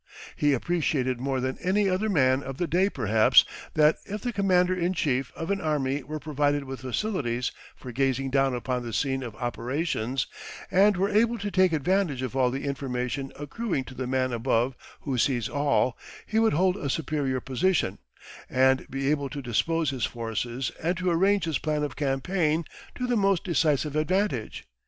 He appreciated more than any other man of the day perhaps, that if the commander in chief of an army were provided with facilities for gazing down upon the scene of operations, and were able to take advantage of all the information accruing to the man above who sees all, he would hold a superior position, and be able to dispose his forces and to arrange his plan of campaign to the most decisive advantage.